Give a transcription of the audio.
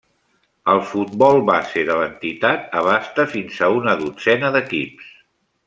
El futbol base de l'entitat abasta fins a una dotzena d'equips.